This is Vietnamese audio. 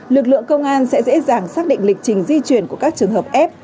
lực lượng công an sẽ dễ dàng xác định lịch trình di chuyển của các trường hợp f